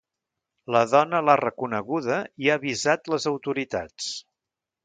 La dona l’ha reconeguda i ha avisat les autoritats.